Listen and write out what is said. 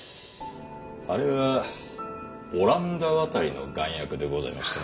あれはオランダわたりの丸薬でございましてね。